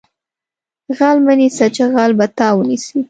غل مه نیسه چې غل به تا ونیسي